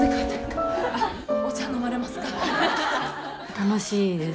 楽しいです。